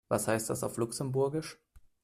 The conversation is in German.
Was heißt das auf Luxemburgisch?